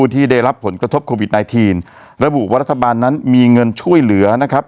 ที่ได้รับผลกระทบโควิดไนทีนระบุว่ารัฐบาลนั้นมีเงินช่วยเหลือนะครับ